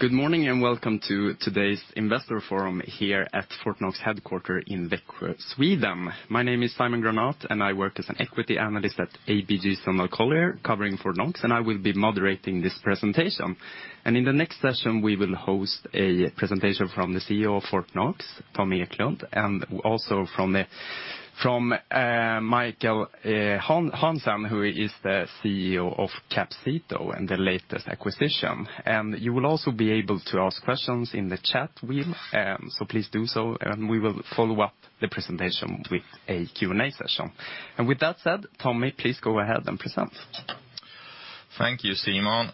Good morning and welcome to today's investor forum here at Fortnox headquarters in Växjö, Sweden. My name is Simon Granath, and I work as an equity analyst at ABG Sundal Collier, covering Fortnox, and I will be moderating this presentation. In the next session, we will host a presentation from the CEO of Fortnox, Tommy Eklund, and also from Michael Hansen, who is the CEO of Capcito and the latest acquisition. You will also be able to ask questions in the chat while, so please do so, and we will follow up the presentation with a Q&A session. With that said, Tommy, please go ahead and present. Thank you, Simon.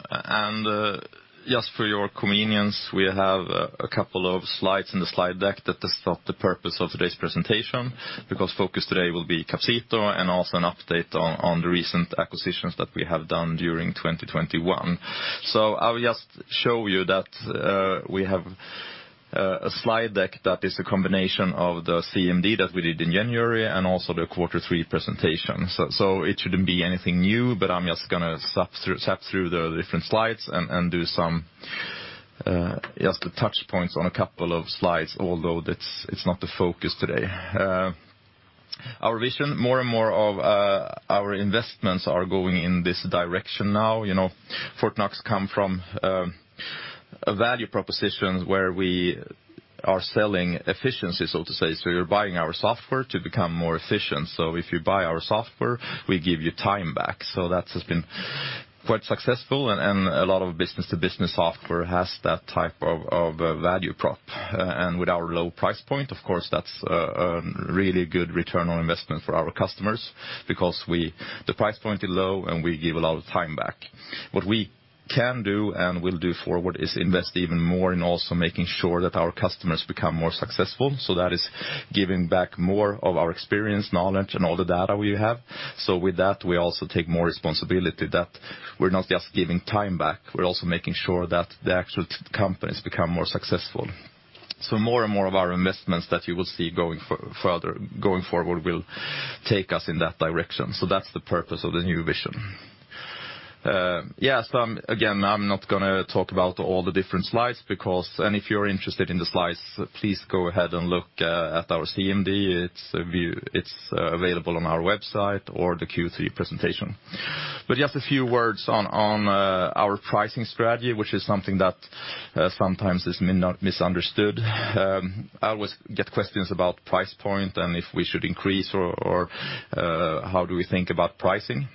Just for your convenience, we have a couple of slides in the slide deck. That is not the purpose of today's presentation because focus today will be Capcito and also an update on the recent acquisitions that we have done during 2021. I will just show you that we have a slide deck that is a combination of the CMD that we did in January and also the quarter three presentation. It shouldn't be anything new, but I'm just gonna zap through the different slides and do some just the touchpoints on a couple of slides, although it's not the focus today. Our vision, more and more of our investments are going in this direction now. You know, Fortnox come from a value proposition where we are selling efficiency, so to say. You're buying our software to become more efficient. If you buy our software, we give you time back. That's just been quite successful and a lot of business-to-business software has that type of value prop. And with our low price point, of course, that's a really good return on investment for our customers because the price point is low, and we give a lot of time back. What we can do and will do forward is invest even more in also making sure that our customers become more successful. That is giving back more of our experience, knowledge, and all the data we have. With that, we also take more responsibility that we're not just giving time back, we're also making sure that the actual companies become more successful. More and more of our investments that you will see going further, going forward will take us in that direction. That's the purpose of the new vision. Again, I'm not gonna talk about all the different slides because if you're interested in the slides, please go ahead and look at our CMD. It's available on our website or the Q3 presentation. But just a few words on our pricing strategy, which is something that sometimes is misunderstood. I always get questions about price point and if we should increase or how do we think about pricing.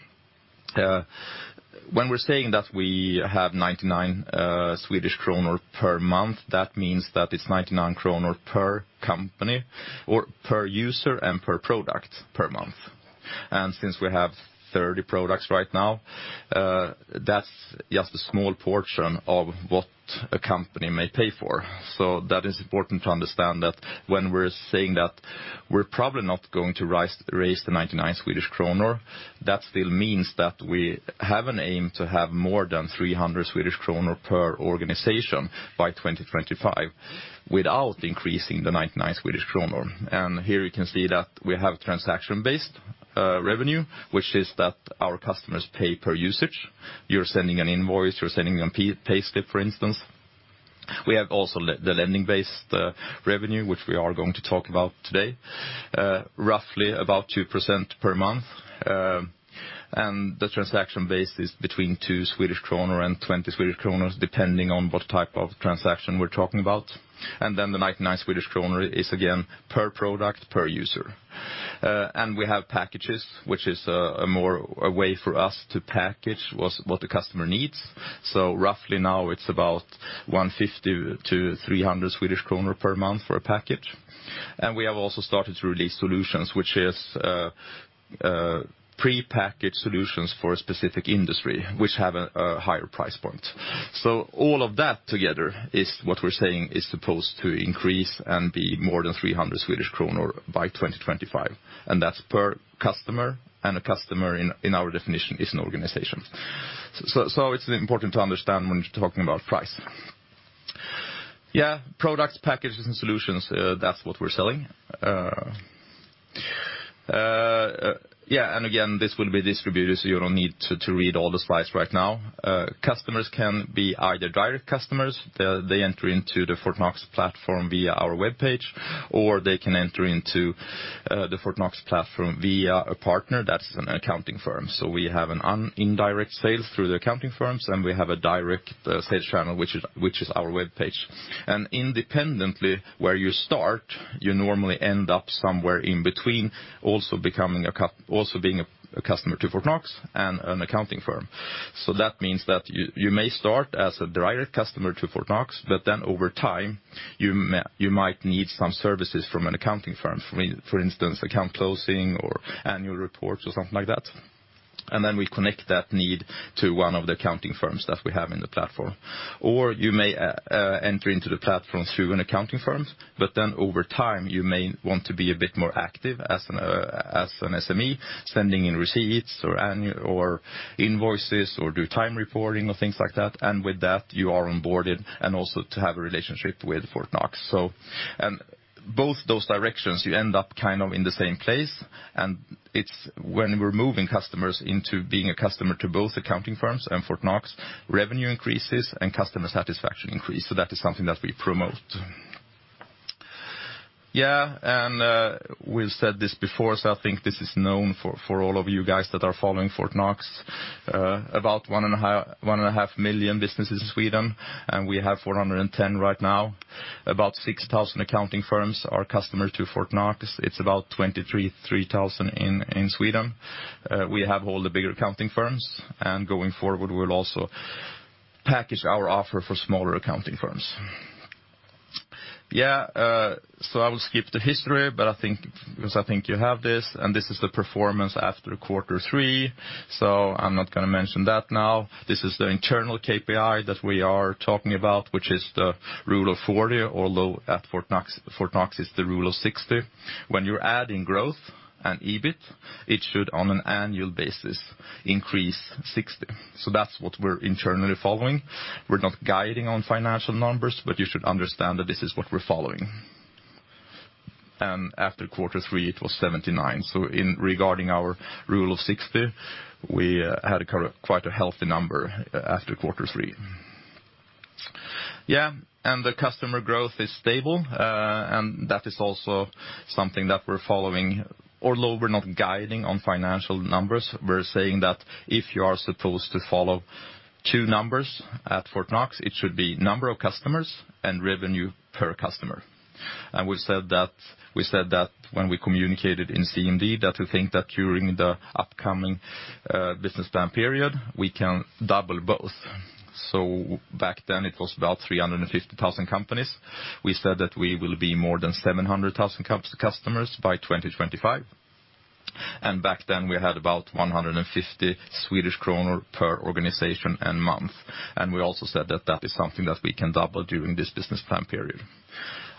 When we're saying that we have 99 Swedish kronor per month, that means that it's 99 kronor per company or per user and per product per month. Since we have 30 products right now, that's just a small portion of what a company may pay for. That is important to understand that when we're saying that we're probably not going to raise the 99 Swedish kronor, that still means that we have an aim to have more than 300 Swedish kronor per organization by 2025 without increasing the 99 Swedish kronor. Here you can see that we have transaction-based revenue, which is that our customers pay per usage. You're sending an invoice, you're sending a payslip, for instance. We have also the lending-based revenue, which we are going to talk about today, roughly about 2% per month. The transaction-based is between 2 Swedish kronor and 20, depending on what type of transaction we're talking about. The 99 Swedish kronor is again per product, per user. We have packages, which is more a way for us to package what the customer needs. Roughly now it's about 150- 300 Swedish kronor per month for a package. We have also started to release solutions, which is prepackaged solutions for a specific industry which have a higher price point. All of that together is what we're saying is supposed to increase and be more than 300 Swedish kronor by 2025, and that's per customer, and a customer in our definition is an organization. It's important to understand when talking about price. Products, packages, and solutions, that's what we're selling. Again, this will be distributed, so you don't need to read all the slides right now. Customers can be either direct customers. They enter into the Fortnox platform via our webpage, or they can enter into the Fortnox platform via a partner that's an accounting firm. We have indirect sales through the accounting firms, and we have a direct sales channel, which is our webpage. Independently, where you start, you normally end up somewhere in between also being a customer to Fortnox and an accounting firm. That means that you may start as a direct customer to Fortnox, but then over time, you might need some services from an accounting firm, for instance, account closing or annual reports or something like that. Then we connect that need to one of the accounting firms that we have in the platform. You may enter into the platform through an accounting firms, but then over time, you may want to be a bit more active as an SME, sending in receipts or invoices or do time reporting or things like that. With that, you are onboarded and also to have a relationship with Fortnox. Both those directions, you end up kind of in the same place, and it's when we're moving customers into being a customer to both accounting firms and Fortnox, revenue increases and customer satisfaction increase. That is something that we promote. We've said this before, so I think this is known for all of you guys that are following Fortnox. About 1.5 million businesses in Sweden, and we have 410 right now. About 6,000 accounting firms are customers to Fortnox. It's about 23,300 in Sweden. We have all the bigger accounting firms, and going forward, we'll also package our offer for smaller accounting firms. I will skip the history, but because I think you have this, and this is the performance after quarter three, I'm not gonna mention that now. This is the internal KPI that we are talking about, which is the rule of 40, although at Fortnox it is the Rule of 60. When you're adding growth and EBIT, it should, on an annual basis, increase 60. That's what we're internally following. We're not guiding on financial numbers, but you should understand that this is what we're following. After quarter three, it was 79. Regarding our Rule of 60, we had quite a healthy number after quarter three. The customer growth is stable, and that is also something that we're following. Although we're not guiding on financial numbers, we're saying that if you are supposed to follow two numbers at Fortnox, it should be number of customers and revenue per customer. We've said that, we said that when we communicated in CMD, that we think that during the upcoming business plan period, we can double both. Back then, it was about 350,000 companies. We said that we will be more than 700,000 customers by 2025. Back then, we had about 150 Swedish kronor per organization and month. We also said that that is something that we can double during this business plan period.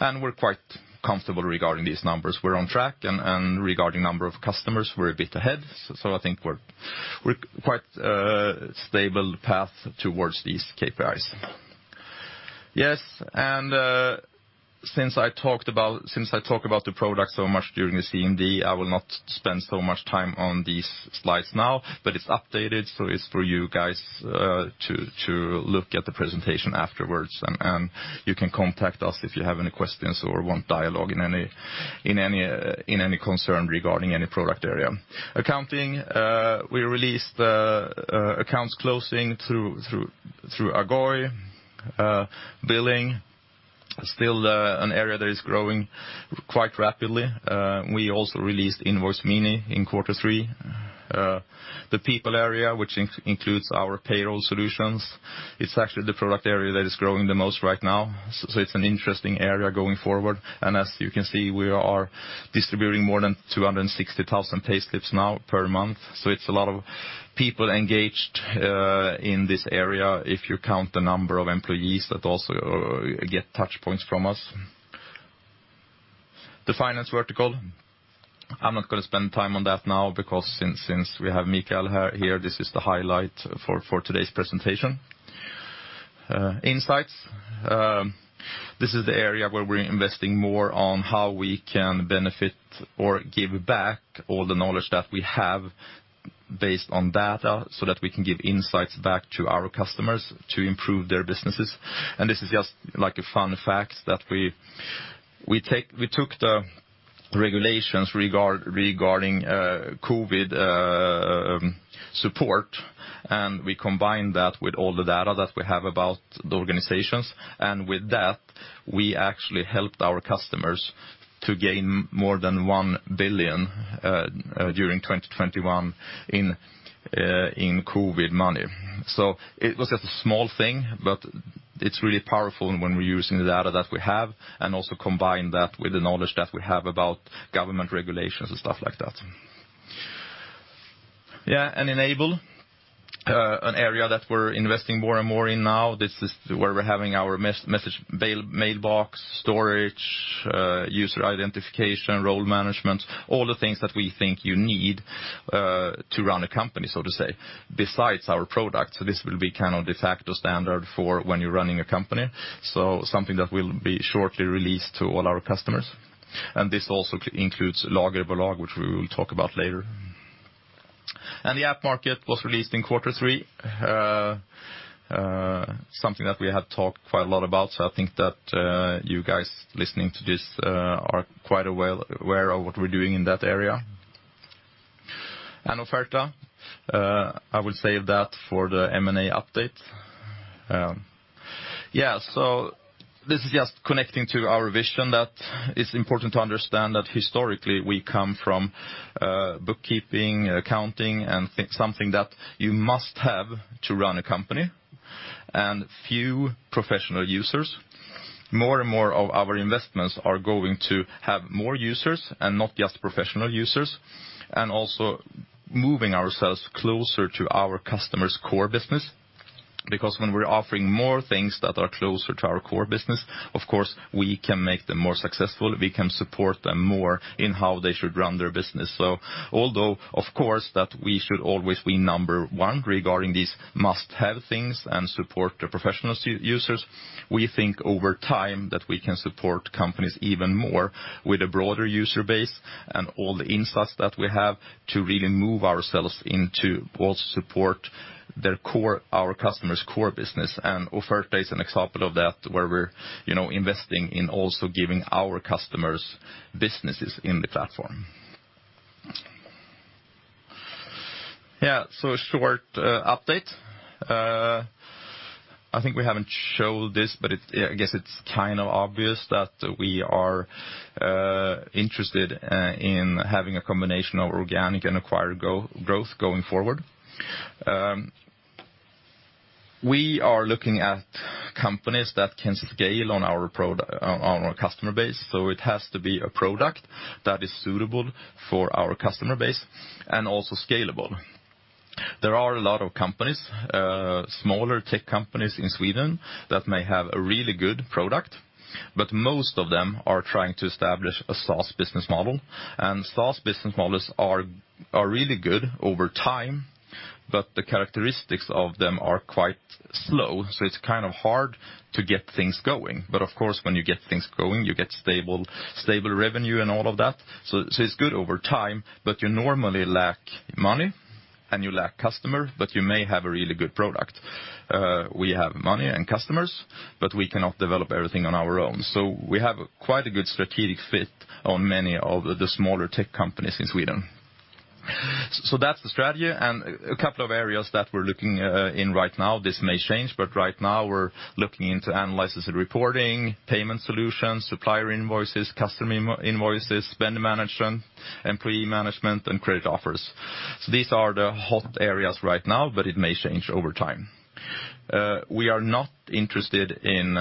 We're quite comfortable regarding these numbers. We're on track, and regarding number of customers, we're a bit ahead. I think we're quite stable path towards these KPIs. Yes, since I talk about the product so much during the CMD, I will not spend so much time on these slides now, but it's updated, so it's for you guys to look at the presentation afterwards. You can contact us if you have any questions or want dialogue in any concern regarding any product area. Accounting, we released accounts closing through Agoy. Billing, still an area that is growing quite rapidly. We also released Invoice Mini in quarter three. The people area, which includes our payroll solutions, it's actually the product area that is growing the most right now. It's an interesting area going forward. As you can see, we are distributing more than 260,000 payslips now per month. It's a lot of people engaged in this area if you count the number of employees that also get touchpoints from us. The finance vertical, I'm not gonna spend time on that now because since we have Mikael here, this is the highlight for today's presentation. Insights, this is the area where we're investing more on how we can benefit or give back all the knowledge that we have based on data so that we can give insights back to our customers to improve their businesses. This is just like a fun fact that we took the regulations regarding COVID support, and we combined that with all the data that we have about the organizations. With that, we actually helped our customers to gain more than 1 billion during 2021 in COVID money. It was just a small thing, but it's really powerful when we're using the data that we have and also combine that with the knowledge that we have about government regulations and stuff like that. Enable an area that we're investing more and more in now. This is where we're having our message mailbox, storage, user identification, role management, all the things that we think you need to run a company, so to say, besides our product. This will be kind of de facto standard for when you're running a company. Something that will be shortly released to all our customers. This also includes Lagerbolag, which we will talk about later. The App Market was released in quarter three. Something that we have talked quite a lot about, so I think that you guys listening to this are quite aware of what we're doing in that area. Offerta, I will save that for the M&A update. This is just connecting to our vision that it's important to understand that historically we come from bookkeeping, accounting, and something that you must have to run a company, and few professional users. More and more of our investments are going to have more users and not just professional users, and also moving ourselves closer to our customers' core business. Because when we're offering more things that are closer to our core business, of course, we can make them more successful, we can support them more in how they should run their business. Although, of course, that we should always be number one regarding these must-have things and support the professional users, we think over time that we can support companies even more with a broader user base and all the insights that we have to really move ourselves into also support their core, our customers' core business. Offerta is an example of that, where we're, you know, investing in also giving our customers businesses in the platform. Yeah. Short update. I think we haven't showed this, but I guess it's kind of obvious that we are interested in having a combination of organic and acquired growth going forward. We are looking at companies that can scale on our customer base, so it has to be a product that is suitable for our customer base and also scalable. There are a lot of companies, smaller tech companies in Sweden that may have a really good product, but most of them are trying to establish a SaaS business model. SaaS business models are really good over time, but the characteristics of them are quite slow, so it's kind of hard to get things going. Of course, when you get things going, you get stable revenue and all of that. It's good over time, but you normally lack money and you lack customer, but you may have a really good product. We have money and customers, but we cannot develop everything on our own. We have quite a good strategic fit on many of the smaller tech companies in Sweden. That's the strategy, and a couple of areas that we're looking in right now, this may change, but right now we're looking into analysis and reporting, payment solutions, supplier invoices, customer invoices, spend management, employee management, and credit offers. These are the hot areas right now, but it may change over time. We are not interested in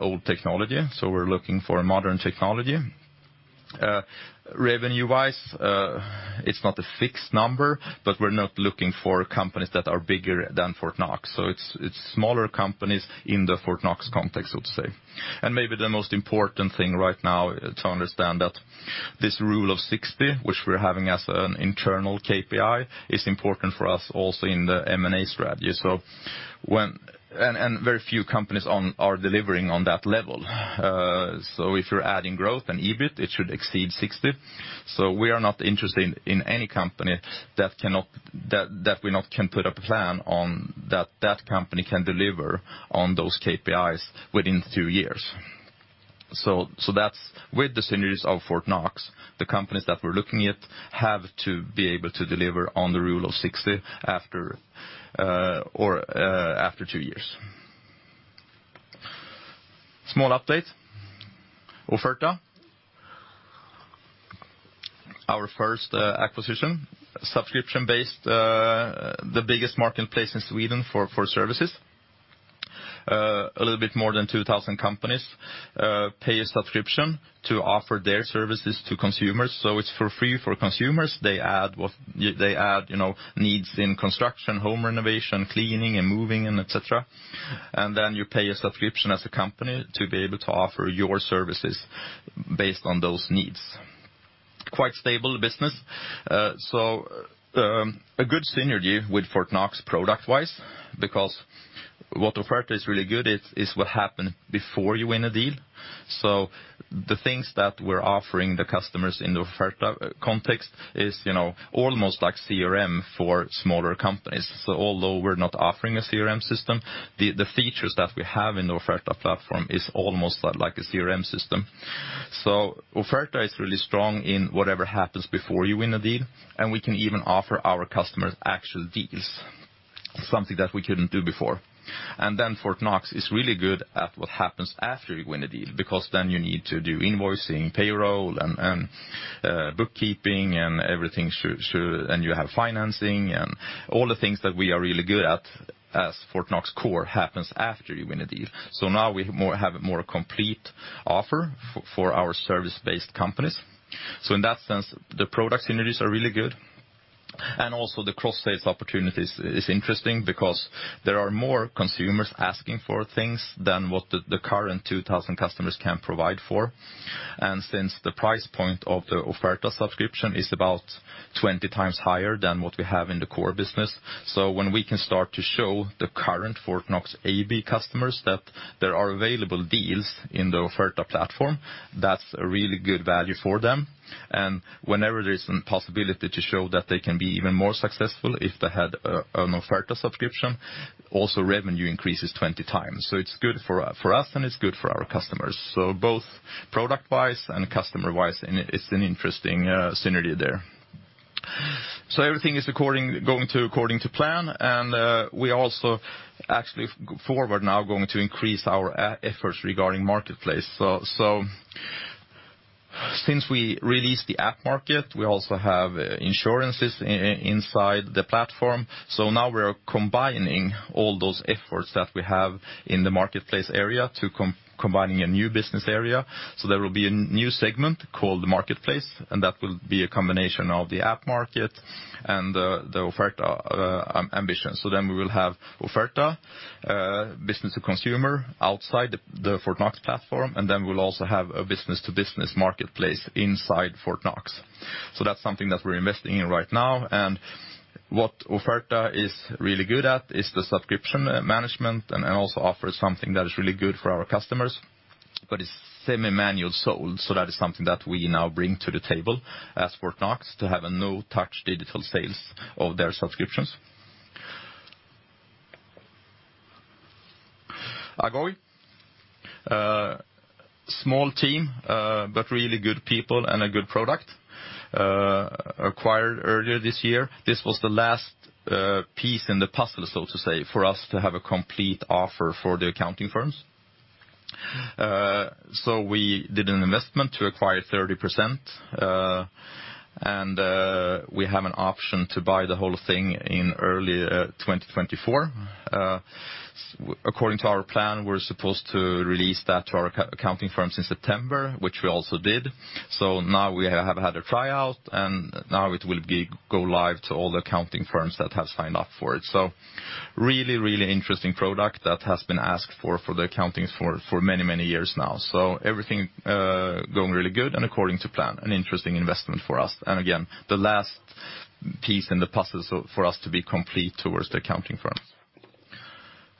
old technology, so we're looking for modern technology. Revenue-wise, it's not a fixed number, but we're not looking for companies that are bigger than Fortnox, so it's smaller companies in the Fortnox context, I would say. Maybe the most important thing right now to understand that this Rule of 60, which we're having as an internal KPI, is important for us also in the M&A strategy. Very few companies are delivering on that level. If you're adding growth and EBIT, it should exceed 60. We are not interested in any company that cannot, that we cannot put a plan on that company can deliver on those KPIs within two years. That's with the synergies of Fortnox, the companies that we're looking at have to be able to deliver on the Rule of 60 after two years. Small update. Offerta, our first acquisition, subscription-based, the biggest marketplace in Sweden for services. A little bit more than 2,000 companies pay a subscription to offer their services to consumers, so it's for free for consumers. They add, you know, needs in construction, home renovation, cleaning, and moving, and et cetera. You pay a subscription as a company to be able to offer your services based on those needs. Quite stable business. A good synergy with Fortnox product-wise because what Offerta is really good at is what happened before you win a deal. The things that we're offering the customers in the Offerta context is, you know, almost like CRM for smaller companies. Although we're not offering a CRM system, the features that we have in the Offerta platform is almost like a CRM system. Offerta is really strong in whatever happens before you win a deal, and we can even offer our customers actual deals, something that we couldn't do before. Fortnox is really good at what happens after you win a deal, because then you need to do invoicing, payroll, bookkeeping and everything should. You have financing and all the things that we are really good at as Fortnox core happens after you win a deal. Now we have a more complete offer for our service-based companies. In that sense, the product synergies are really good. Also the cross-sales opportunities is interesting because there are more consumers asking for things than what the current 2,000 customers can provide for. Since the price point of the Offerta subscription is about 20 times higher than what we have in the core business, when we can start to show the current Fortnox AB customers that there are available deals in the Offerta platform, that's a really good value for them. Whenever there's a possibility to show that they can be even more successful if they had an Offerta subscription, also revenue increases 20 times. It's good for us and it's good for our customers. Both product-wise and customer-wise, it's an interesting synergy there. Everything is going according to plan, and we also actually going forward now going to increase our efforts regarding marketplace. Since we released the App Market, we also have insurances inside the platform. Now we're combining all those efforts that we have in the marketplace area to combining a new business area. There will be a new segment called the Marketplace, and that will be a combination of the App Market and the Offerta ambition. Then we will have Offerta business to consumer outside the Fortnox platform, and then we'll also have a business-to-business marketplace inside Fortnox. That's something that we're investing in right now. What Offerta is really good at is the subscription management and also offers something that is really good for our customers, but it's semi-manual sold, so that is something that we now bring to the table as Fortnox to have a no-touch digital sales of their subscriptions. Agoy, small team, but really good people and a good product, acquired earlier this year. This was the last piece in the puzzle, so to say, for us to have a complete offer for the accounting firms. We did an investment to acquire 30%, and we have an option to buy the whole thing in early 2024. According to our plan, we're supposed to release that to our accounting firms in September, which we also did. Now we have had a tryout, and now it will be go live to all the accounting firms that have signed up for it. Really interesting product that has been asked for for the accounting for many years now. Everything going really good and according to plan, an interesting investment for us. Again, the last piece in the puzzle so for us to be complete towards the accounting firms.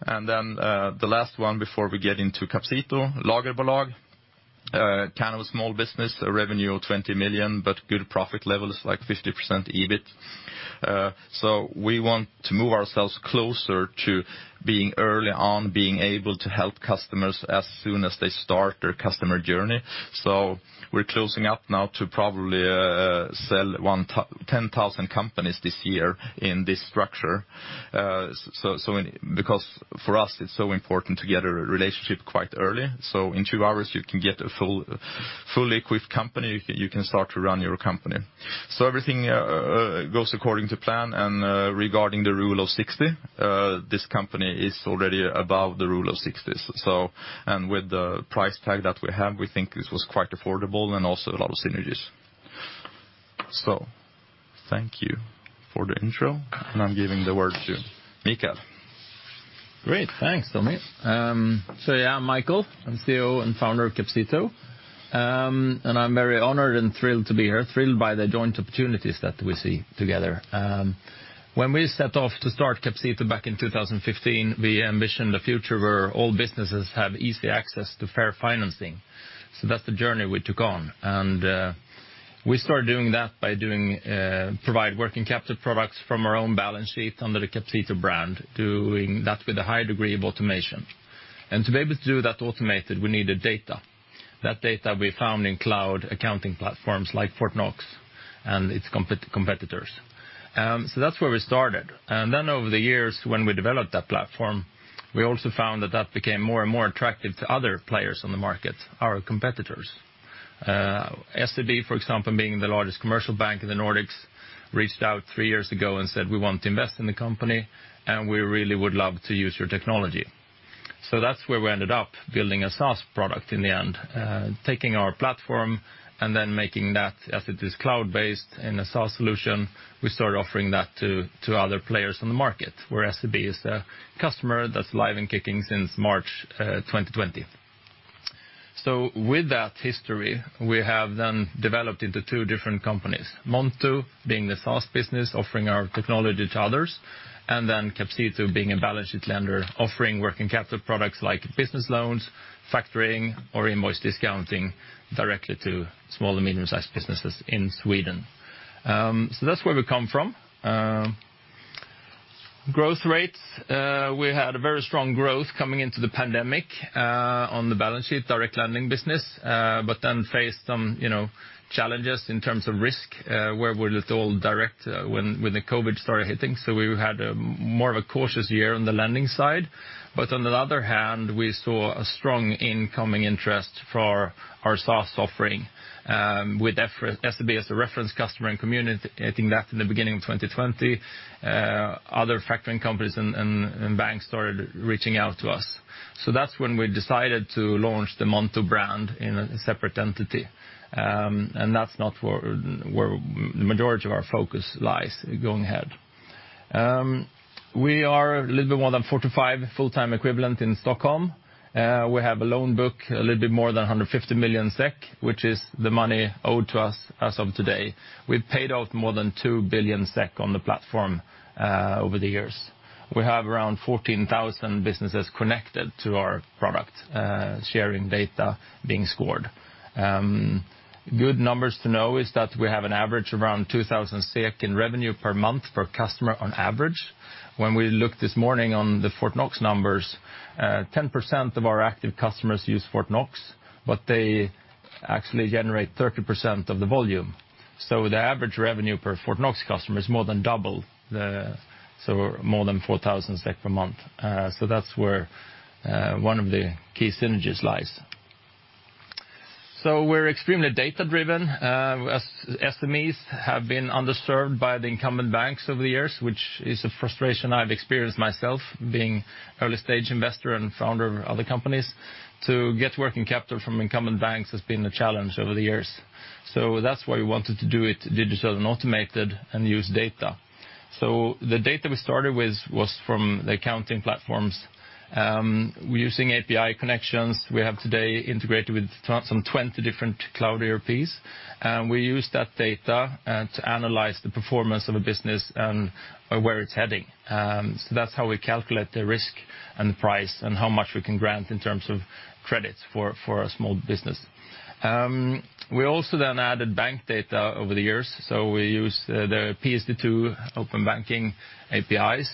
The last one before we get into Capcito, lagerbolag, kind of a small business, a revenue of 20 million, but good profit levels, like 50% EBIT. We want to move ourselves closer to being early on being able to help customers as soon as they start their customer journey. We're closing up now to probably sell 10,000 companies this year in this structure. So many, because for us, it's so important to get a relationship quite early. In two hours, you can get a full, fully equipped company. You can start to run your company. Everything goes according to plan. Regarding the Rule of 60, this company is already above the Rule of 60. With the price tag that we have, we think this was quite affordable and also a lot of synergies. Thank you for the intro, and I'm giving the word to Mikael. Great. Thanks, Tommy. So yeah, I'm Michael. I'm CEO and founder of Capcito. I'm very honored and thrilled to be here, thrilled by the joint opportunities that we see together. When we set off to start Capcito back in 2015, we envisioned a future where all businesses have easy access to fair financing. That's the journey we took on. We started doing that by providing working capital products from our own balance sheet under the Capcito brand, doing that with a high degree of automation. To be able to do that automated, we needed data. That data we found in cloud accounting platforms like Fortnox and its competitors. That's where we started. Then over the years when we developed that platform, we also found that that became more and more attractive to other players on the market, our competitors. SEB, for example, being the largest commercial bank in the Nordics, reached out three years ago and said, "We want to invest in the company, and we really would love to use your technology." That's where we ended up building a SaaS product in the end, taking our platform and then making that, as it is cloud-based in a SaaS solution, we started offering that to other players on the market, where SEB is the customer that's live and kicking since March 2020. With that history, we have then developed into two different companies. Monto being the SaaS business, offering our technology to others, and then Capcito being a balance sheet lender, offering working capital products like business loans, factoring, or invoice discounting directly to small and medium-sized businesses in Sweden. That's where we come from. Growth rates, we had a very strong growth coming into the pandemic, on the balance sheet, direct lending business, but then faced some, you know, challenges in terms of risk, where we're a little direct, when the COVID started hitting. We had more of a cautious year on the lending side. On the other hand, we saw a strong incoming interest for our SaaS offering, with SEB as a reference customer and communicating that in the beginning of 2020. Other factoring companies and banks started reaching out to us. That's when we decided to launch the Monto brand in a separate entity. That's not where the majority of our focus lies going ahead. We are a little bit more than 45 full-time equivalent in Stockholm. We have a loan book a little bit more than 150 million SEK, which is the money owed to us as of today. We've paid out more than 2 billion SEK on the platform over the years. We have around 14,000 businesses connected to our product, sharing data, being scored. Good numbers to know is that we have an average around 2,000 SEK in revenue per month per customer on average. When we looked this morning on the Fortnox numbers, 10% of our active customers use Fortnox, but they actually generate 30% of the volume. The average revenue per Fortnox customer is more than double, so more than 4,000 SEK per month. That's where one of the key synergies lies. We're extremely data-driven. As SMEs have been underserved by the incumbent banks over the years, which is a frustration I've experienced myself being early-stage investor and founder of other companies. To get working capital from incumbent banks has been a challenge over the years. That's why we wanted to do it digitally and automated and use data. The data we started with was from the accounting platforms using API connections. We have today integrated with some 20 different cloud ERPs, and we use that data to analyze the performance of a business and where it's heading. That's how we calculate the risk and the price, and how much we can grant in terms of credits for a small business. We also then added bank data over the years, so we use the PSD2 open banking APIs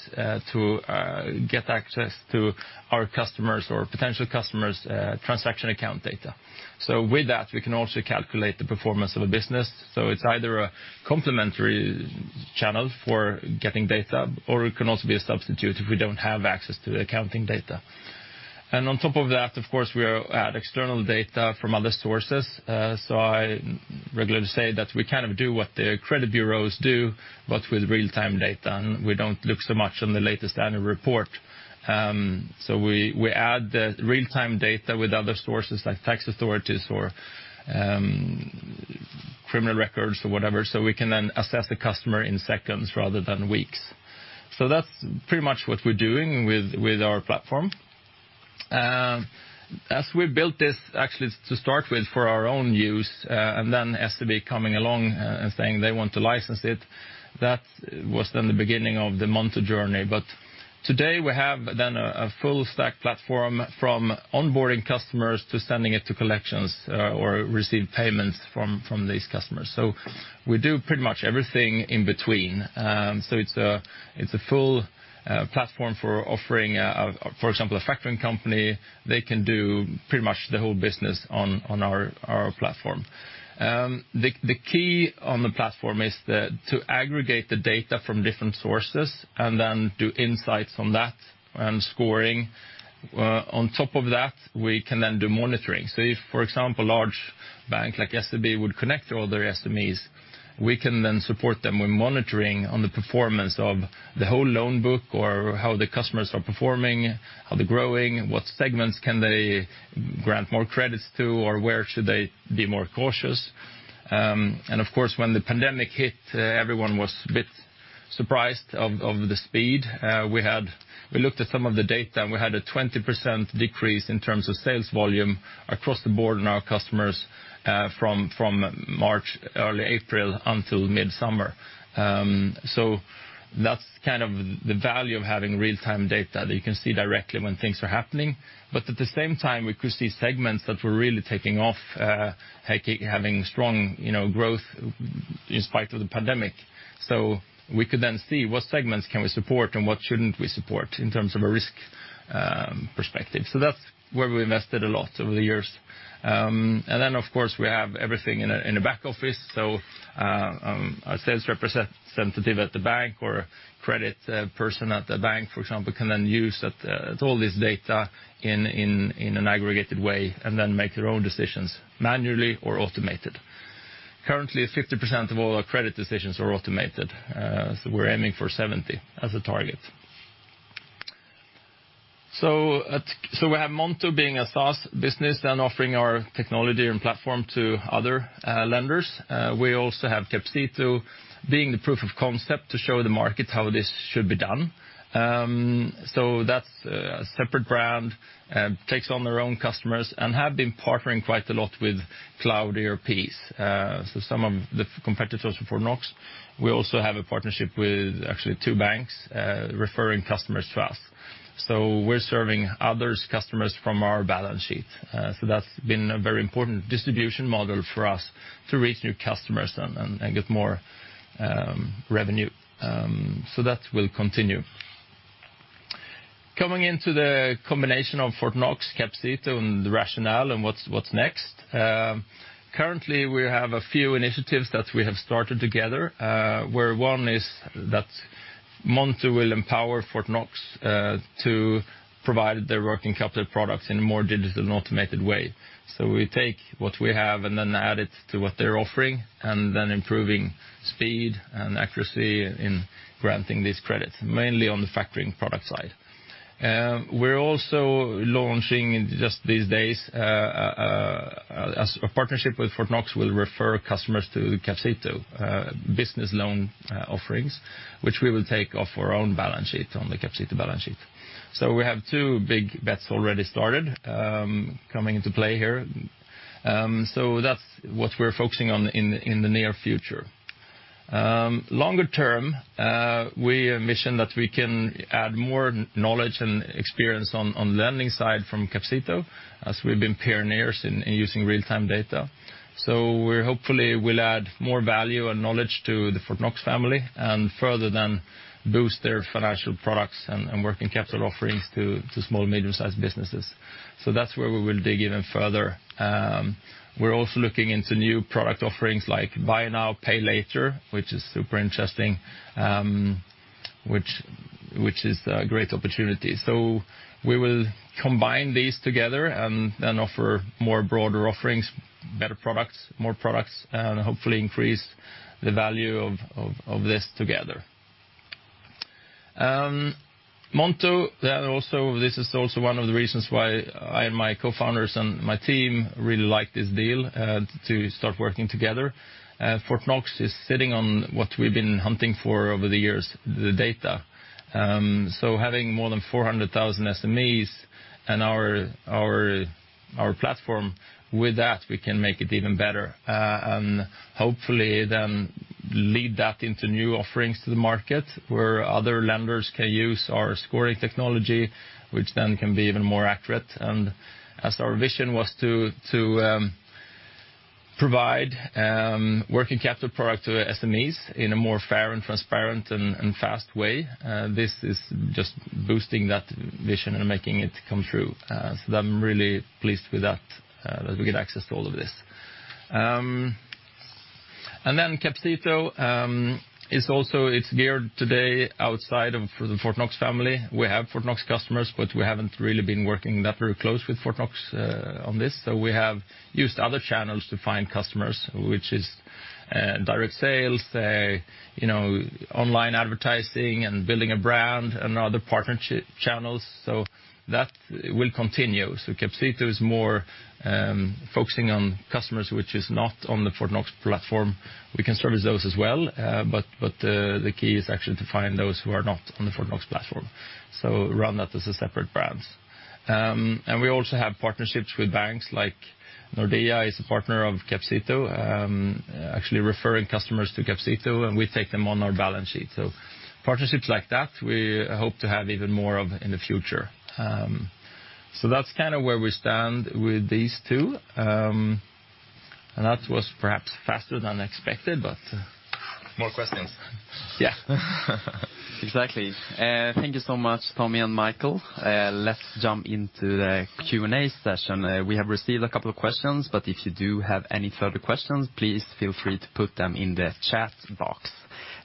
to get access to our customers or potential customers' transaction account data. With that, we can also calculate the performance of a business. It's either a complementary channel for getting data, or it can also be a substitute if we don't have access to the accounting data. On top of that, of course, we add external data from other sources. I regularly say that we kind of do what the credit bureaus do, but with real-time data, and we don't look so much on the latest annual report. We add the real-time data with other sources like tax authorities or criminal records or whatever, so we can then assess the customer in seconds rather than weeks. That's pretty much what we're doing with our platform. As we built this actually to start with for our own use and then SEB coming along and saying they want to license it, that was the beginning of the Monto journey. Today we have a full-stack platform from onboarding customers to sending it to collections or receive payments from these customers. We do pretty much everything in between. It's a full platform for offering, for example, a factoring company, they can do pretty much the whole business on our platform. The key on the platform is to aggregate the data from different sources and then do insights on that and scoring. On top of that, we can then do monitoring. If, for example, large bank like SEB would connect all their SMEs, we can then support them with monitoring on the performance of the whole loan book or how the customers are performing, how they're growing, what segments can they grant more credits to, or where should they be more cautious. Of course, when the pandemic hit, everyone was a bit surprised of the speed. We looked at some of the data, and we had a 20% decrease in terms of sales volume across the board in our customers, from March, early April until mid-summer. That's kind of the value of having real-time data that you can see directly when things are happening. At the same time, we could see segments that were really taking off, having strong, you know, growth in spite of the pandemic. We could then see what segments can we support and what shouldn't we support in terms of a risk perspective. That's where we invested a lot over the years. Of course, we have everything in a back office. A sales representative at the bank or credit person at the bank, for example, can then use that all this data in an aggregated way, and then make their own decisions manually or automated. Currently, 50% of all our credit decisions are automated. We're aiming for 70 as a target. We have Monto being a SaaS business and offering our technology and platform to other lenders. We also have Capcito being the proof of concept to show the market how this should be done. That's a separate brand, takes on their own customers and have been partnering quite a lot with Cloudfresh. Some of the competitors for Fortnox, we also have a partnership with actually two banks referring customers to us. We're serving other customers from our balance sheet. That's been a very important distribution model for us to reach new customers and get more revenue. That will continue. Coming into the combination of Fortnox, Capcito, and the rationale and what's next. Currently, we have a few initiatives that we have started together, where one is that Monto will empower Fortnox to provide their working capital products in a more digital and automated way. We take what we have and then add it to what they're offering and then improving speed and accuracy in granting these credits, mainly on the factoring product side. We're also launching just these days, as a partnership with Fortnox will refer customers to Capcito business loan offerings, which we will take off our own balance sheet on the Capcito balance sheet. We have two big bets already started, coming into play here. That's what we're focusing on in the near future. Longer-term, we envision that we can add more knowledge and experience on the lending side from Capcito as we've been pioneers in using real-time data. We hopefully will add more value and knowledge to the Fortnox family and further then boost their financial products and working capital offerings to small, medium-sized businesses. That's where we will dig even further. We're also looking into new product offerings like buy now, pay later, which is super interesting, which is a great opportunity. We will combine these together and then offer more broader offerings, better products, more products, and hopefully increase the value of this together. Monto, then also this is also one of the reasons why I and my cofounders and my team really like this deal to start working together. Fortnox is sitting on what we've been hunting for over the years, the data. Having more than 400,000 SMEs, and our platform, with that, we can make it even better, and hopefully then lead that into new offerings to the market where other lenders can use our scoring technology, which then can be even more accurate. As our vision was to provide working capital product to SMEs in a more fair and transparent and fast way, this is just boosting that vision and making it come true. I'm really pleased with that we get access to all of this. Capcito is also, it's geared today outside of the Fortnox family. We have Fortnox customers, but we haven't really been working that very close with Fortnox on this. We have used other channels to find customers, which is direct sales, you know, online advertising and building a brand and other channels. That will continue. Capcito is more focusing on customers which is not on the Fortnox platform. We can service those as well, but the key is actually to find those who are not on the Fortnox platform. Run that as a separate brand. We also have partnerships with banks, like Nordea is a partner of Capcito, actually referring customers to Capcito, and we take them on our balance sheet. Partnerships like that, we hope to have even more of in the future. That's kinda where we stand with these two. That was perhaps faster than expected, but. More questions. Yeah. Exactly. Thank you so much, Tommy and Michael. Let's jump into the Q&A session. We have received a couple of questions, but if you do have any further questions, please feel free to put them in the chat box.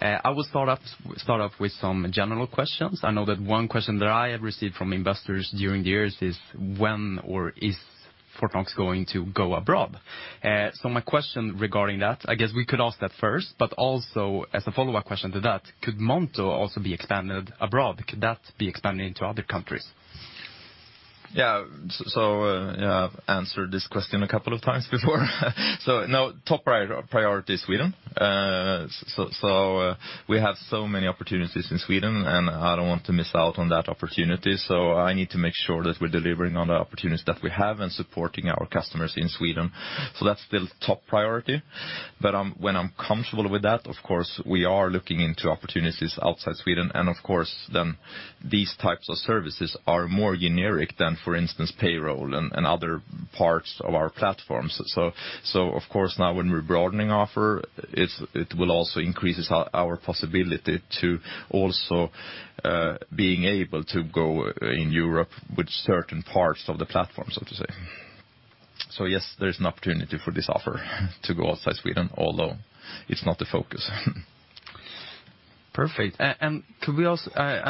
I will start off with some general questions. I know that one question that I have received from investors during the years is when or is Fortnox going to go abroad? So my question regarding that, I guess we could ask that first, but also as a follow-up question to that, could Monto also be expanded abroad? Could that be expanded into other countries? Yeah. I've answered this question a couple of times before. No, top priority is Sweden. We have so many opportunities in Sweden, and I don't want to miss out on that opportunity, so I need to make sure that we're delivering on the opportunities that we have and supporting our customers in Sweden. That's still top priority. When I'm comfortable with that, of course, we are looking into opportunities outside Sweden. Of course, then these types of services are more generic than, for instance, payroll and other parts of our platform. Of course, now when we're broadening offer, it will also increase our possibility to also being able to go in Europe with certain parts of the platform, so to say. Yes, there is an opportunity for this offer to go outside Sweden, although it's not the focus. Perfect. I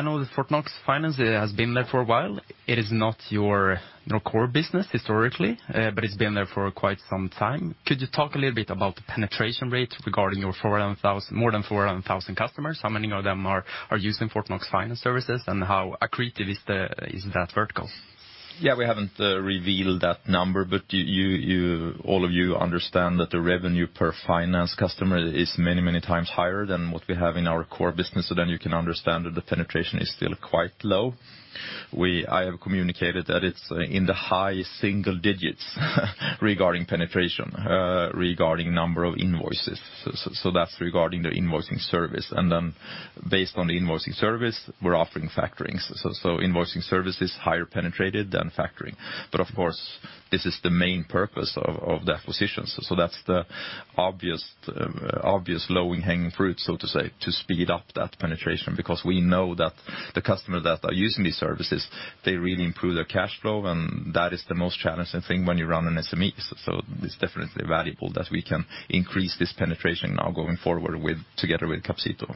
know that Fortnox Finans has been there for a while. It is not your core business historically, but it's been there for quite some time. Could you talk a little bit about the penetration rate regarding your more than 400,000 customers? How many of them are using Fortnox Finans services, and how accretive is that vertical? Yeah, we haven't revealed that number, but all of you understand that the revenue per finance customer is many, many times higher than what we have in our core business. You can understand that the penetration is still quite low. I have communicated that it's in the high single digits regarding penetration, regarding number of invoices. So that's regarding the invoicing service. Based on the invoicing service, we're offering factorings. So invoicing service is higher penetrated than factoring. Of course, this is the main purpose of the acquisition. That's the obvious low-hanging fruit, so to say, to speed up that penetration, because we know that the customers that are using these services, they really improve their cash flow, and that is the most challenging thing when you run an SME. It's definitely valuable that we can increase this penetration now going forward together with Capcito.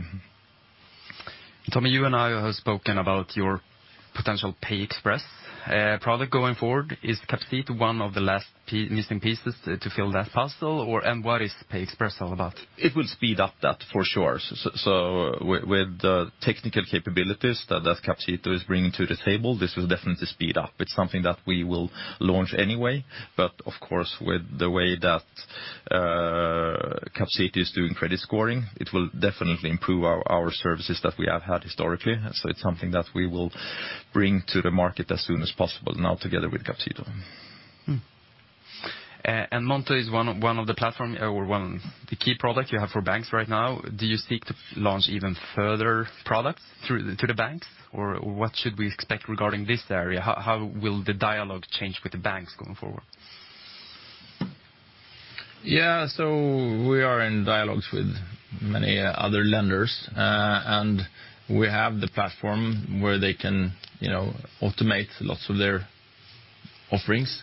Tommy, you and I have spoken about your potential PayEx product going forward. Is Capcito one of the last missing pieces to fill that puzzle? What is PayEx all about? It will speed up that for sure. With the technical capabilities that Capcito is bringing to the table, this will definitely speed up. It's something that we will launch anyway. Of course, with the way that Capcito is doing credit scoring, it will definitely improve our services that we have had historically. It's something that we will bring to the market as soon as possible now together with Capcito. Monto is one of the platform or one of the key products you have for banks right now. Do you seek to launch even further products to the banks? What should we expect regarding this area? How will the dialogue change with the banks going forward? Yeah. We are in dialogues with many other lenders. We have the platform where they can, you know, automate lots of their offerings.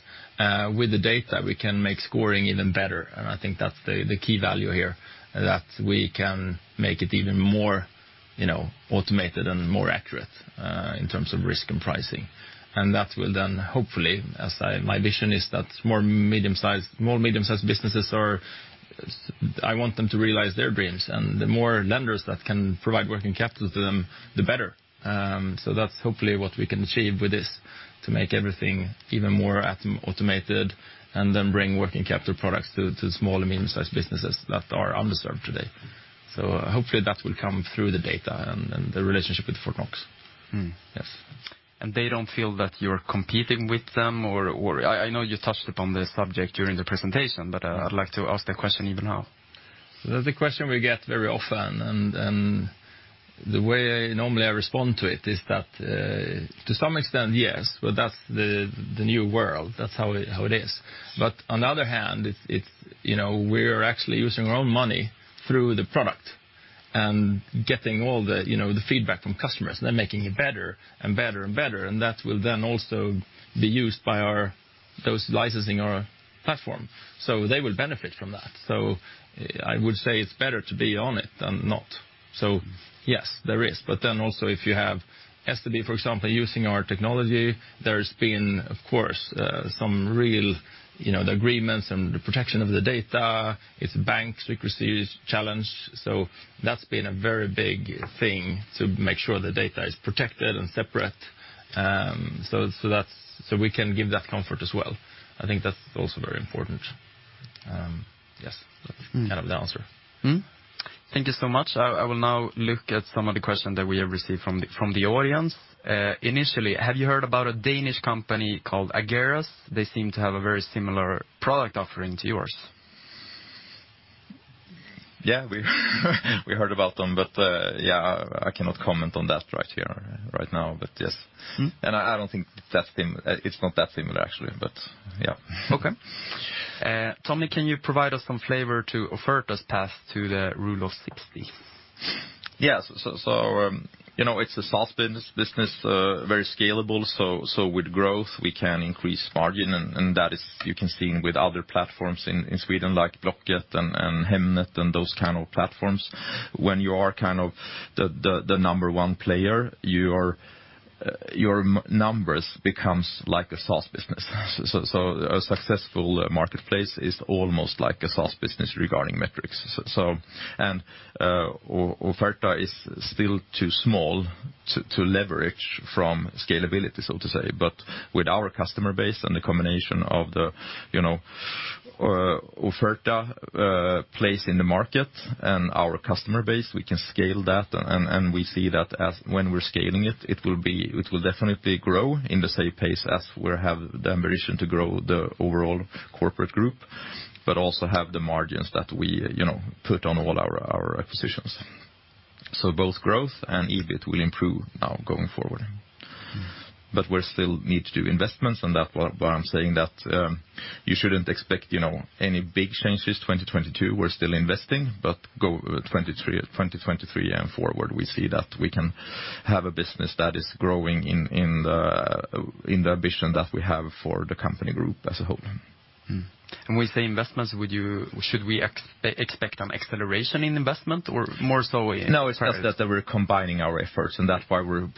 With the data, we can make scoring even better. I think that's the key value here, that we can make it even more, you know, automated and more accurate in terms of risk and pricing. That will then, hopefully, my vision is that more medium-sized businesses are... I want them to realize their dreams. The more lenders that can provide working capital to them, the better. That's hopefully what we can achieve with this, to make everything even more automated, and then bring working capital products to small and medium-sized businesses that are underserved today. Hopefully that will come through the data and the relationship with Fortnox. Mm. Yes. They don't feel that you're competing with them? Or I know you touched upon the subject during the presentation, but I'd like to ask the question even now. That's a question we get very often, and the way normally I respond to it is that, to some extent, yes, but that's the new world. That's how it is. On the other hand, it's you know, we're actually using our own money through the product. And getting all the, you know, the feedback from customers, then making it better and better and better, and that will then also be used by our those licensing our platform. They will benefit from that. I would say it's better to be on it than not. Yes, there is. Then also if you have SEB, for example, using our technology, there's been, of course, some real, you know, the agreements and the protection of the data. It's bank secrecy challenge. That's been a very big thing to make sure the data is protected and separate so that we can give that comfort as well. I think that's also very important. Yes, kind of the answer. Mm-hmm. Thank you so much. I will now look at some of the questions that we have received from the audience. Initially, have you heard about a Danish company called Ageras? They seem to have a very similar product offering to yours. Yeah, we heard about them, but yeah, I cannot comment on that right here, right now. Yes. Mm-hmm. I don't think that. It's not that similar, actually, but yeah. Okay. Tommy, can you provide us some flavor to Offerta's path to the Rule of 60? Yes, it's a SaaS business, very scalable. With growth, we can increase margin. That is, you can see with other platforms in Sweden, like Blocket and Hemnet and those kind of platforms. When you are kind of the number one player, your numbers becomes like a SaaS business. A successful marketplace is almost like a SaaS business regarding metrics. Offerta is still too small to leverage from scalability, so to say. With our customer base and the combination of the, you know, Offerta place in the market and our customer base, we can scale that. We see that as, when we're scaling it will definitely grow in the same pace as we have the ambition to grow the overall corporate group, but also have the margins that we, you know, put on all our positions. Both growth and EBIT will improve now going forward. Mm-hmm. We're still need to do investments, and that's why I'm saying that, you know, any big changes in 2022. We're still investing, but going 2023 and forward, we see that we can have a business that is growing in the ambition that we have for the company group as a whole. We say investments, should we expect an acceleration in investment or more so a No, it's just that we're combining our efforts, and that's why we're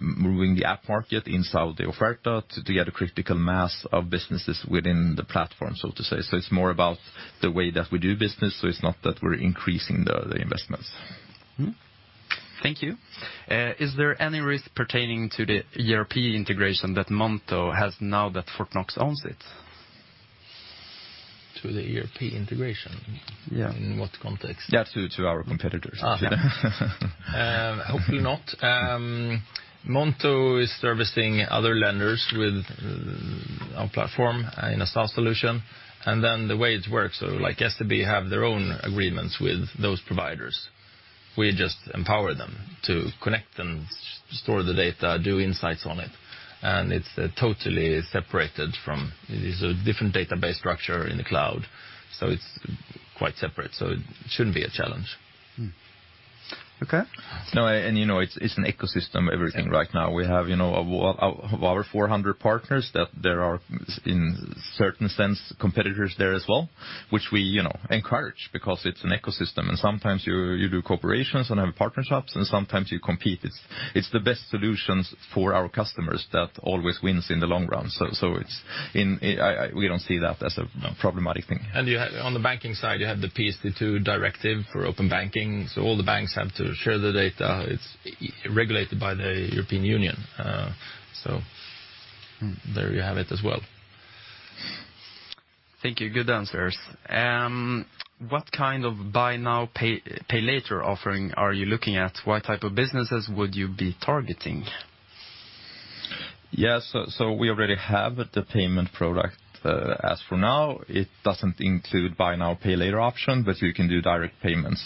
moving the App Market inside the Offerta to get a critical mass of businesses within the platform, so to say. It's more about the way that we do business, so it's not that we're increasing the investments. Thank you. Is there any risk pertaining to the ERP integration that Monto has now that Fortnox owns it? To the ERP integration? Yeah. In what context? Yeah, to our competitors. Hopefully not. Monto is servicing other lenders with our platform in a SaaS solution. The way it works, like SEB have their own agreements with those providers. We just empower them to connect and store the data, do insights on it. It's totally separated from it. It is a different database structure in the cloud, so it's quite separate. It shouldn't be a challenge. Mm-hmm. Okay. No, you know, it's an ecosystem, everything right now. We have, you know, over 400 partners that there are in certain sense, competitors there as well, which we, you know, encourage because it's an ecosystem. Sometimes you do cooperations and have partnerships, and sometimes you compete. It's the best solutions for our customers that always wins in the long run. So we don't see that as a problematic thing. You have on the banking side, you have the PSD2 directive for open banking. So all the banks have to share the data. It's regulated by the European Union. So there you have it as well. Thank you. Good answers. What kind of buy now, pay later offering are you looking at? What type of businesses would you be targeting? Yes. We already have the payment product. As for now, it doesn't include buy now, pay later option, but you can do direct payments.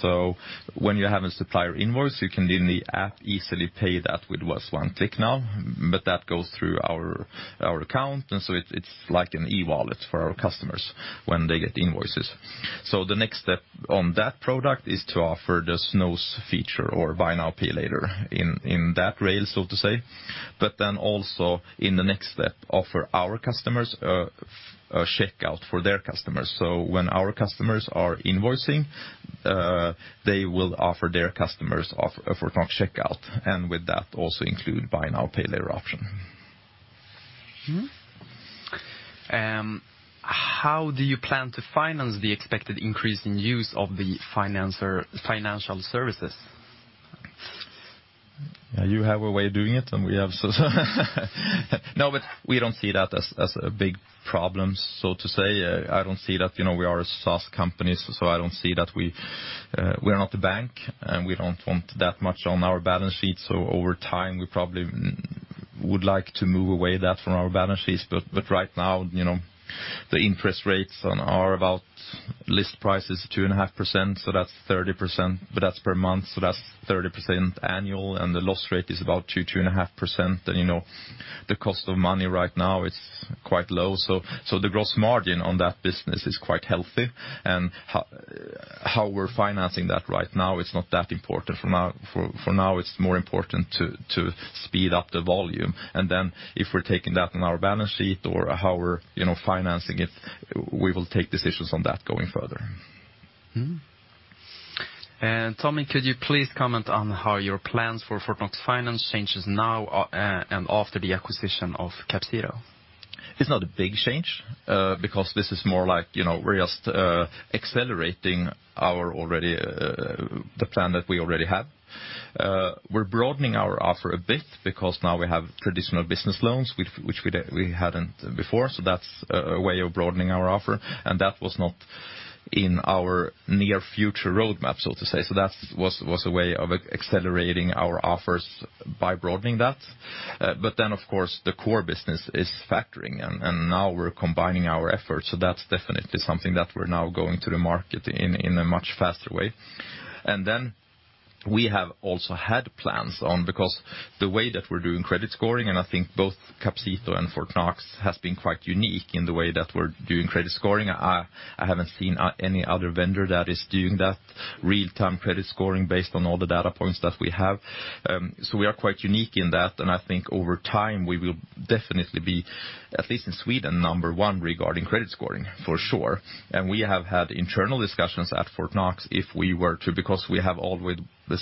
When you have a supplier invoice, you can in the app easily pay that with just one click now. But that goes through our account, and it's like an e-wallet for our customers when they get invoices. The next step on that product is to offer the BNPL feature or buy now, pay later in that rail, so to say. Then also in the next step, offer our customers a checkout for their customers. When our customers are invoicing, they will offer their customers a Fortnox checkout, and with that also include buy now, pay later option. How do you plan to finance the expected increase in use of the financial services? You have a way of doing it. No, we don't see that as a big problem, so to say. I don't see that, you know, we are a SaaS company, so I don't see that we are not a bank, and we don't want that much on our balance sheet. Over time, we probably would like to move that away from our balance sheets. Right now, you know, the interest rate, the list price is 2.5%, so that's 30%, but that's per month, so that's 30% annual, and the loss rate is about 2%, 2.5%. You know, the cost of money right now is quite low. The gross margin on that business is quite healthy. How we're financing that right now, it's not that important for now. For now, it's more important to speed up the volume. Then if we're taking that on our balance sheet or how we're, you know, financing it, we will take decisions on that going further. Tommy, could you please comment on how your plans for Fortnox Finans changes now, and after the acquisition of Capcito? It's not a big change, because this is more like, you know, we're just accelerating our already the plan that we already have. We're broadening our offer a bit because now we have traditional business loans, which we hadn't before. That's a way of broadening our offer, and that was not in our near future roadmap, so to say. That was a way of accelerating our offers by broadening that. Of course, the core business is factoring, and now we're combining our efforts, that's definitely something that we're now going to the market in a much faster way. We have also had plans on because the way that we're doing credit scoring, and I think both Capcito and Fortnox has been quite unique in the way that we're doing credit scoring. I haven't seen any other vendor that is doing that real-time credit scoring based on all the data points that we have. So we are quite unique in that, and I think over time, we will definitely be, at least in Sweden, number one regarding credit scoring for sure. We have had internal discussions at Fortnox if we were to because we have always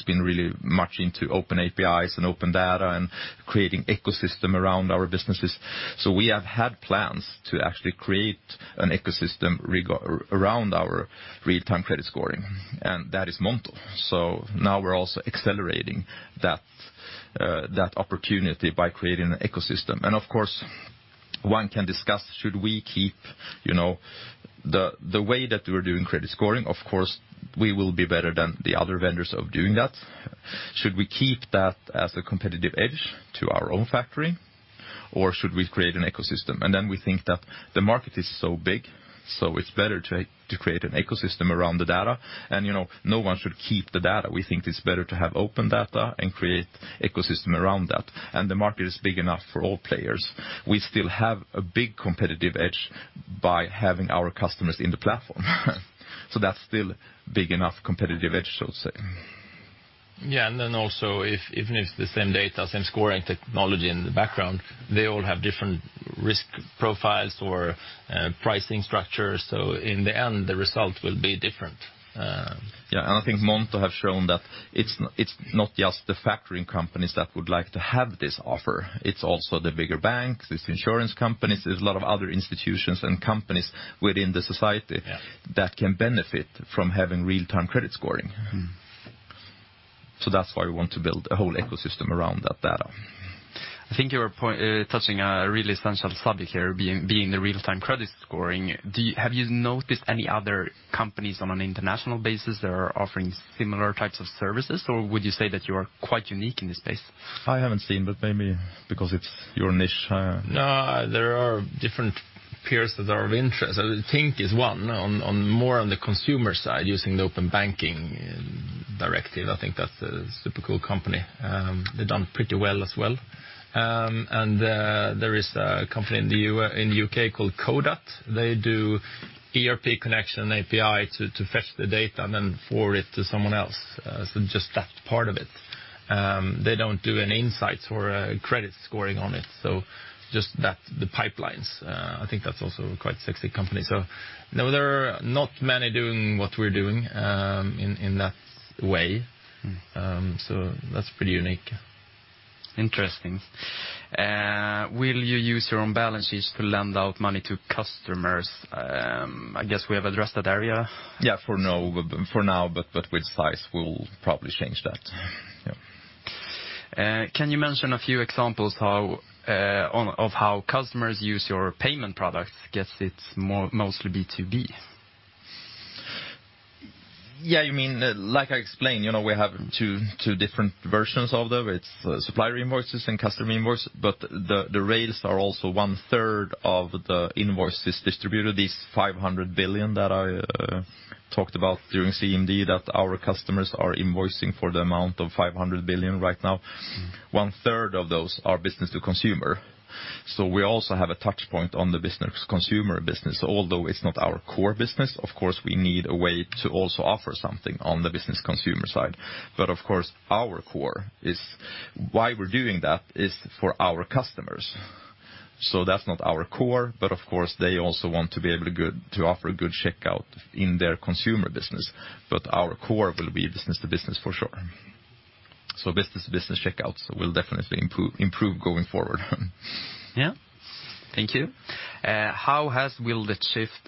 been really much into open APIs and open data and creating ecosystem around our businesses. So we have had plans to actually create an ecosystem around our real-time credit scoring, and that is Monto. So now we're also accelerating that opportunity by creating an ecosystem. Of course, one can discuss should we keep, you know, the way that we're doing credit scoring. Of course, we will be better than the other vendors of doing that. Should we keep that as a competitive edge to our own factoring, or should we create an ecosystem? We think that the market is so big, so it's better to create an ecosystem around the data. You know, no one should keep the data. We think it's better to have open data and create ecosystem around that. The market is big enough for all players. We still have a big competitive edge by having our customers in the platform. That's still big enough competitive edge, so to say. Yeah. Also, if even if the same data, same scoring technology in the background, they all have different risk profiles or pricing structure. In the end, the result will be different. Yeah, I think Monto have shown that it's not just the factoring companies that would like to have this offer. It's also the bigger banks, it's insurance companies. There's a lot of other institutions and companies within the society. Yeah. That can benefit from having real-time credit scoring. Mm. That's why we want to build a whole ecosystem around that data. I think you were touching a really essential subject here, being the real-time credit scoring. Have you noticed any other companies on an international basis that are offering similar types of services, or would you say that you are quite unique in this space? I haven't seen, but maybe because it's your niche. No, there are different peers that are of interest. Tink is one on more on the consumer side using the open banking directive. I think that's a super cool company. They've done pretty well as well. And there is a company in the U.K. called Codat. They do ERP connection API to fetch the data and then forward it to someone else. So just that part of it. They don't do any insights or credit scoring on it. So just that the pipelines. I think that's also quite sexy company. No, there are not many doing what we're doing in that way. Mm. That's pretty unique. Interesting. Will you use your own balance sheets to lend out money to customers? I guess we have addressed that area. Yeah, for now, but with size, we'll probably change that. Yeah. Can you mention a few examples of how customers use your payment products? Guess it's mostly B2B. Yeah, you mean, like I explained, you know, we have two different versions of them. It's supplier invoices and customer invoice, but the rates are also one-third of the invoices distributed. These 500 billion that I talked about during CMD that our customers are invoicing for the amount of 500 billion right now. Mm-hmm. One-third of those are business-to-consumer. We also have a touch point on the business consumer business, although it's not our core business. Of course, we need a way to also offer something on the business consumer side. Of course, our core is why we're doing that is for our customers. That's not our core, but of course, they also want to be able to to offer a good checkout in their consumer business. Our core will be business-to-business for sure. Business-to-business checkouts will definitely improve going forward. Yeah. Thank you. How will the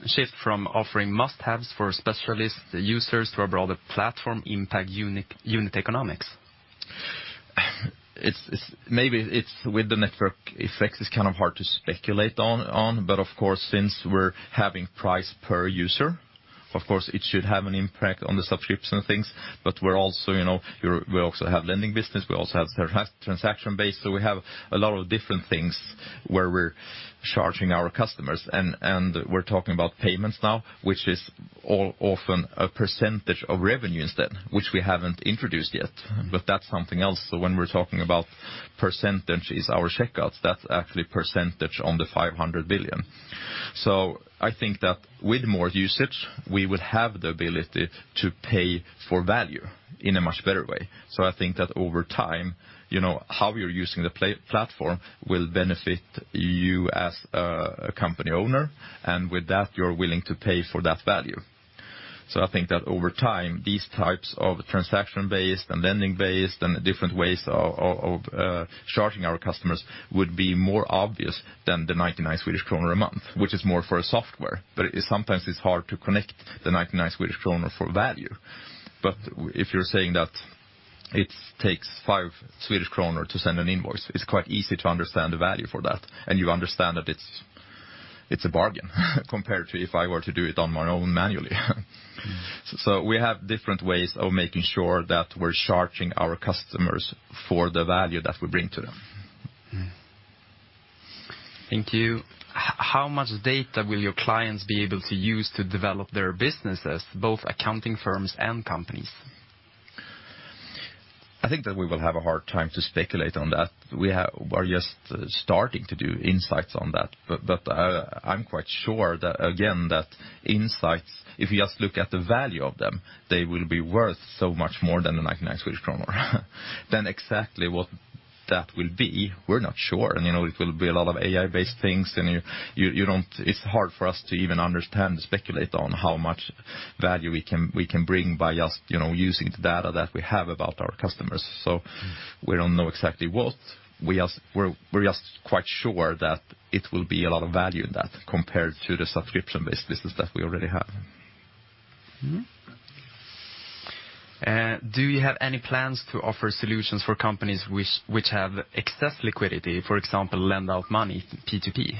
shift from offering must-haves for specialist users to a broader platform impact unit economics? It's maybe with the network effects, it's kind of hard to speculate on. Of course, since we're having price per user, of course, it should have an impact on the subscriptions and things. We're also, you know, we also have lending business, we also have transaction-based. We have a lot of different things where we're charging our customers and we're talking about payments now, which is often a percentage of revenue instead, which we haven't introduced yet. Mm-hmm. That's something else. When we're talking about percentages, our checkouts, that's actually percentage on the 500 billion. I think that with more usage, we will have the ability to pay for value in a much better way. I think that over time, you know, how you're using the platform will benefit you as a company owner, and with that, you're willing to pay for that value. I think that over time, these types of transaction-based and lending-based and different ways of charging our customers would be more obvious than the 99 Swedish kronor a month, which is more for a software. It is sometimes hard to connect the 99 Swedish kronor for value. If you're saying that it takes 5 Swedish kronor to send an invoice, it's quite easy to understand the value for that, and you understand that it's a bargain compared to if I were to do it on my own manually. We have different ways of making sure that we're charging our customers for the value that we bring to them. Thank you. How much data will your clients be able to use to develop their businesses, both accounting firms and companies? I think that we will have a hard time to speculate on that. We're just starting to do insights on that. But I'm quite sure that again, that insights, if you just look at the value of them, they will be worth so much more than the 99 Swedish kronor. Then exactly what that will be, we're not sure. You know, it will be a lot of AI-based things, and you don't, it's hard for us to even understand, speculate on how much value we can bring by just, you know, using the data that we have about our customers. So we don't know exactly what. We're just quite sure that it will be a lot of value in that compared to the subscription-based business that we already have. Do you have any plans to offer solutions for companies which have excess liquidity, for example, lend out money P2P?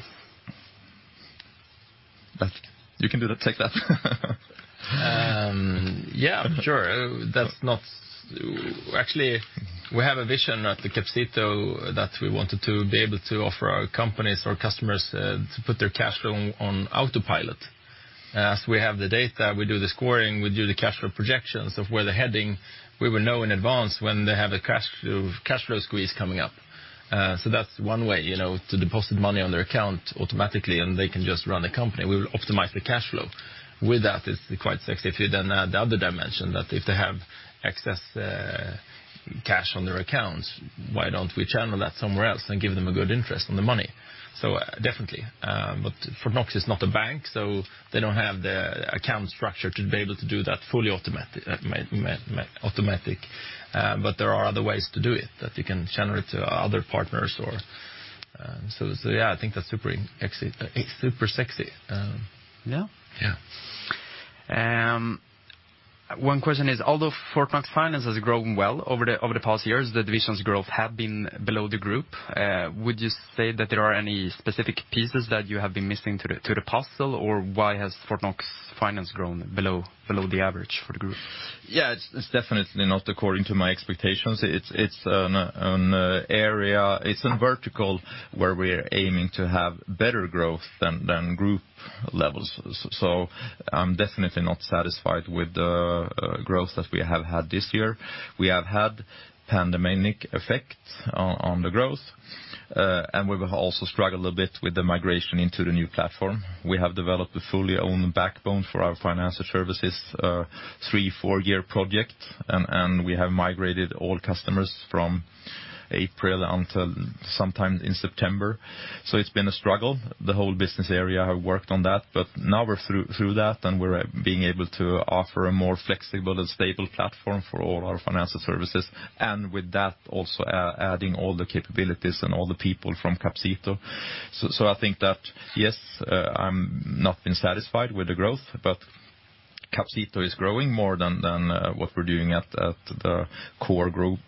You can do that. Take that. Actually, we have a vision at the Capcito that we wanted to be able to offer our companies or customers to put their cash flow on autopilot. As we have the data, we do the scoring, we do the cash flow projections of where they're heading. We will know in advance when they have a cash flow squeeze coming up. That's one way, you know, to deposit money on their account automatically, and they can just run the company. We will optimize the cash flow. With that, it's quite sexy. If you then add the other dimension that if they have excess cash on their accounts, why don't we channel that somewhere else and give them a good interest on the money? Definitely. Fortnox is not a bank, so they don't have the account structure to be able to do that fully automatic. There are other ways to do it that you can channel it to other partners. Yeah, I think that's super sexy. Yeah? Yeah. One question is, although Fortnox Finans has grown well over the past years, the division's growth have been below the group. Would you say that there are any specific pieces that you have been missing to the puzzle, or why has Fortnox Finans grown below the average for the group? Yeah, it's definitely not according to my expectations. It's an area. It's a vertical where we're aiming to have better growth than group levels. I'm definitely not satisfied with the growth that we have had this year. We have had pandemic effect on the growth, and we've also struggled a bit with the migration into the new platform. We have developed a fully owned backbone for our financial services, three, four-year project, and we have migrated all customers from April until sometime in September. It's been a struggle. The whole business area have worked on that. Now we're through that, and we're being able to offer a more flexible and stable platform for all our financial services. With that, also adding all the capabilities and all the people from Capcito. I think that, yes, I'm not been satisfied with the growth, but Capcito is growing more than what we're doing at the core group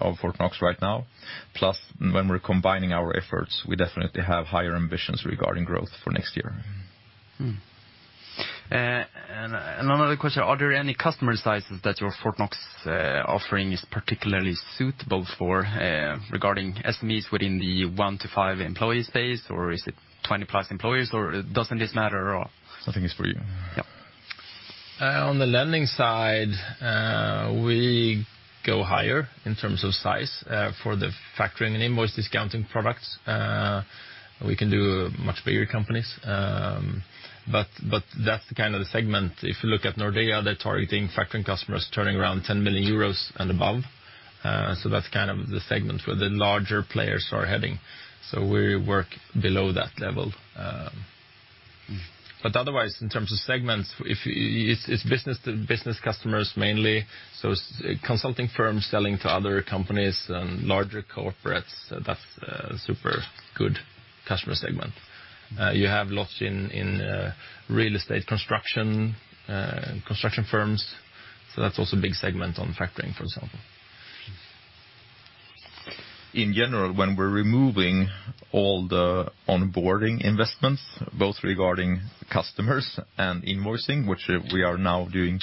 of Fortnox right now. Plus, when we're combining our efforts, we definitely have higher ambitions regarding growth for next year. Mm-hmm. Another question, are there any customer sizes that your Fortnox offering is particularly suitable for, regarding SMEs within the one to five employee space, or is it 20 plus employees, or doesn't this matter at all? I think it's for you. Yeah. On the lending side, we go higher in terms of size, for the factoring and invoice discounting products. We can do much bigger companies. But that's kind of the segment. If you look at Nordea, they're targeting factoring customers turning around 10 million euros and above. That's kind of the segment where the larger players are heading. We work below that level. But otherwise, in terms of segments, it's business-to-business customers mainly. It's consulting firms selling to other companies and larger corporates. That's a super good customer segment. You have lots in real estate construction firms. That's also a big segment on factoring, for example. In general, when we're removing all the onboarding investments, both regarding customers and invoicing, which we are now doing,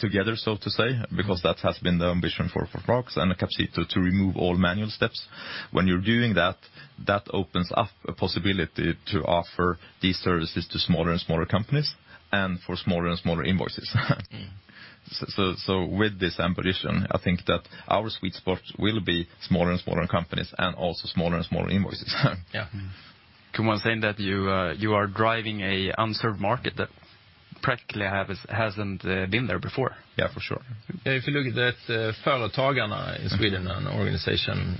together, so to say, because that has been the ambition for Fortnox and Capcito to remove all manual steps. When you're doing that, that opens up a possibility to offer these services to smaller and smaller companies and for smaller and smaller invoices. With this ambition, I think that our sweet spot will be smaller and smaller companies and also smaller and smaller invoices. Yeah. Can one say that you are driving a unserved market that practically hasn't been there before? Yeah, for sure. If you look at the Företagarna in Sweden, an organization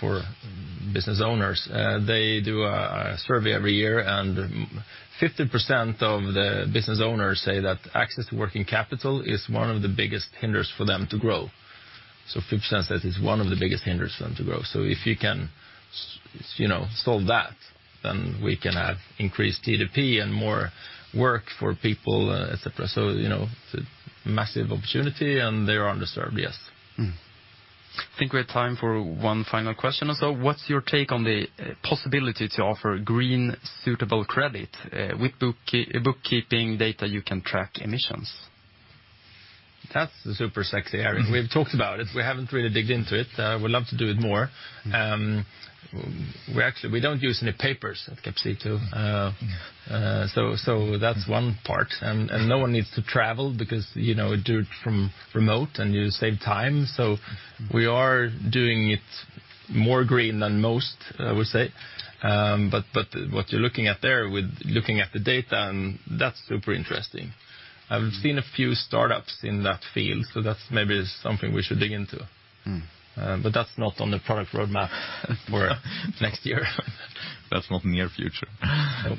for business owners, they do a survey every year, and 50% of the business owners say that access to working capital is one of the biggest hinder for them to grow. 50% says it's one of the biggest hinder for them to grow. If you can you know, solve that, then we can have increased GDP and more work for people, et cetera. You know, it's a massive opportunity, and they are underserved, yes. I think we have time for one final question. What's your take on the possibility to offer green sustainable credit? With bookkeeping data, you can track emissions. That's a super sexy area. We've talked about it. We haven't really dug into it. Would love to do it more. We actually don't use any papers at Capcito. So that's one part. No one needs to travel because, you know, we do it remotely, and you save time. We are doing it greener than most, I would say. But what you're looking at there with the data and that's super interesting. I've seen a few startups in that field, so that's maybe something we should dig into. But that's not on the product roadmap for next year. That's not near future. Nope.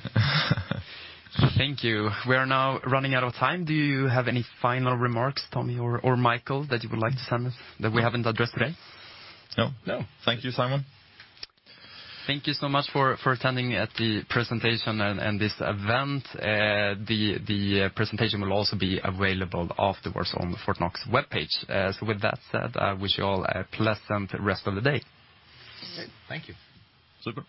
Thank you. We are now running out of time. Do you have any final remarks, Tommy or Michael, that you would like to send us that we haven't addressed today? No. No. Thank you, Simon. Thank you so much for attending at the presentation and this event. The presentation will also be available afterwards on the Fortnox webpage. With that said, I wish you all a pleasant rest of the day. Thank you. Super.